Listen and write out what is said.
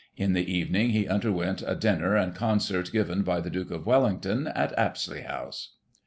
In the evening, he underwent a dinner and concert given by the Duke of Wellington at Apsley House.